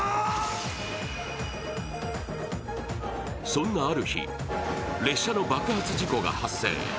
そんなある日、列車の爆発事故が発生。